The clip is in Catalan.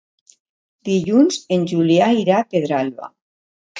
Dilluns en Julià irà a Pedralba.